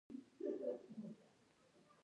هغه هغې ته په درناوي د ګلونه کیسه هم وکړه.